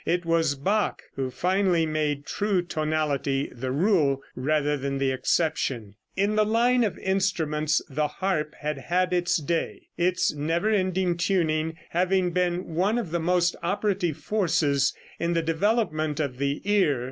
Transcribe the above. It was Bach who finally made true tonality the rule rather than the exception. In the line of instruments the harp had had its day, its never ending tuning having been one of the most operative forces in the development of the ear.